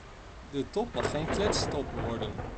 De top mag geen kletstop worden.